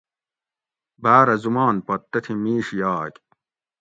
باۤرہ زمان پت تتھیں میش یاگ